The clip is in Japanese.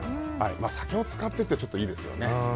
酒を使ってっていいですよね。